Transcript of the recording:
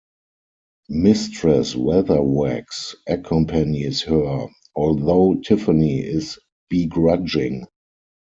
Mistress Weatherwax accompanies her although Tiffany is begrudging.